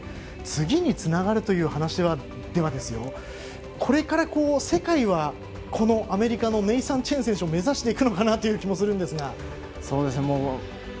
次につながるという話でこれから世界は、アメリカのネイサン・チェン選手を目指していくのかなという気もしますが。